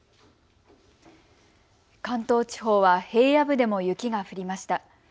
関東地方は平野部でも雪が降りました。